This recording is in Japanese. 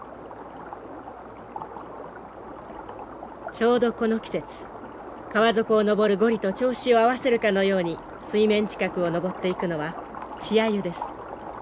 ちょうどこの季節川底を上るゴリと調子を合わせるかのように水面近くを上っていくのは稚アユです。